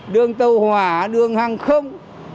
đường tàu hỏa đường hàng không